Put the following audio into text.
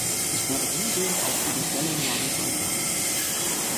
Ich werde umgehend auf Ihre Stellungnahmen antworten.